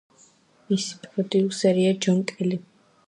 მისი პროდიუსერია ჯონ კელი.